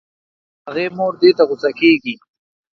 د هغې مور دې ته غو سه کيږي